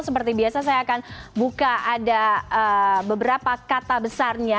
seperti biasa saya akan buka ada beberapa kata besarnya